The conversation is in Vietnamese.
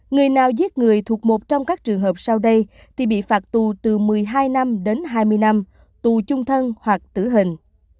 người nào giết người thuộc một trong các trường hợp sau đây thì bị phạt tù từ một mươi hai năm đến hai mươi năm tù chung thân hoặc tử hình